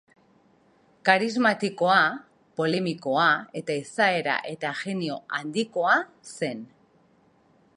Karismatikoa, polemikoa eta izaera eta jenio handikoa zen.